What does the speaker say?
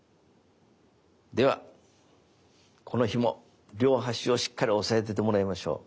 ではこのひも両端をしっかり押さえててもらいましょう。